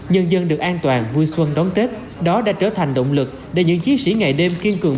nhân dân được an toàn vui xuân đón tết đó đã trở thành động lực để những chiến sĩ ngày đêm kiên cường